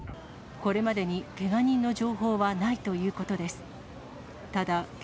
これまでにけが人の情報はないということです。